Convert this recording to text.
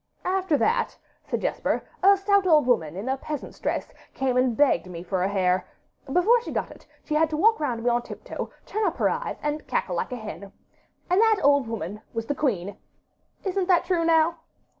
'After that,' said Jesper, 'a stout old woman, in a peasant's dress, came and begged for a hare. Before she got it, she had to walk round me on tiptoe, turn up her eyes, and cackle like a hen; AND THAT OLD WOMAN WAS THE QUEEN. Isn't that true, now?